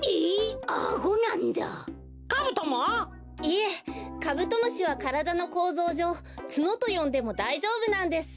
いえカブトムシはからだのこうぞうじょうツノとよんでもだいじょうぶなんです。